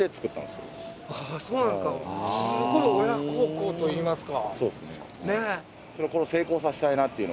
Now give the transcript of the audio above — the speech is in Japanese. すごい親孝行といいますか。